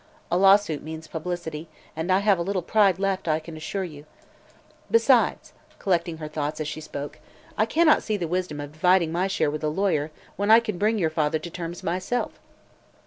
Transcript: A lawsuit means publicity, and I have a little pride left, I assure you. Besides," collecting her thoughts as she spoke, "I cannot see the wisdom of dividing my share with a lawyer when I can bring your father to terms myself.